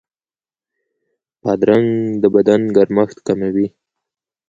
بادرنګ د بدن ګرمښت کموي.